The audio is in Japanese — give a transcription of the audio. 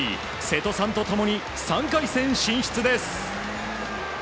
瀬戸さんと共に３回戦進出です。